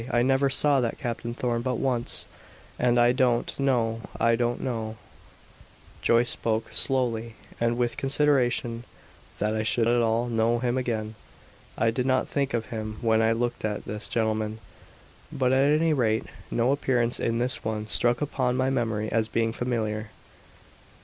I never saw that Captain Thorn but once, and I don't know, I don't know " Joyce spoke slowly and with consideration "that I should at all know him again. I did not think of him when I looked at this gentleman; but, at any rate, no appearance in this one struck upon my memory as being familiar."